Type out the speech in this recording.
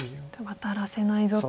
ワタらせないぞと。